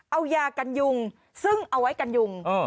เอายากันยุงซึ่งเอาไว้กันยุง